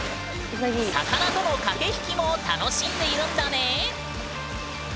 魚との駆け引きも楽しんでいるんだね。